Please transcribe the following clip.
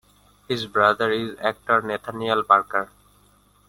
His brother is actor Nathaniel Parker.